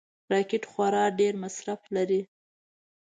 راکټ خورا ډېر مصرف لري